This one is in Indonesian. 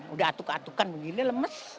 udah atuk atukan begini lemes